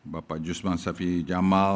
bapak jusman safi jamal